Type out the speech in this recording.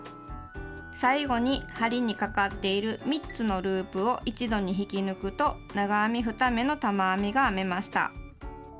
最後に針にかかっている３つのループを一度に引き抜くと長編み２目の玉編みが編めました。